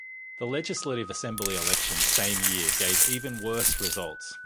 The legislative assembly elections same year gave even worse results.